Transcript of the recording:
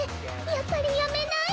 やっぱりやめない？